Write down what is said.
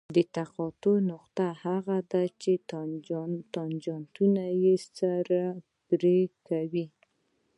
د تقاطع نقطه هغه ده چې تانجانتونه سره پرې کوي